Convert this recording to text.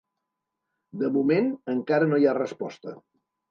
De moment encara no hi ha resposta.